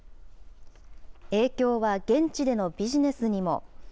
影響は現地でのビジネスにも。